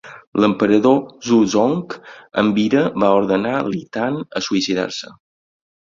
L'emperador Suzong, amb ira, va ordenar Li Tan a suïcidar-se.